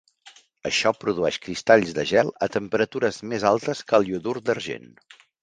Això produeix cristalls de gel a temperatures més altes que el iodur d'argent.